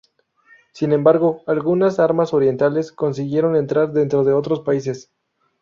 Sin embargo, algunas armas orientales consiguieron entrar desde otros países.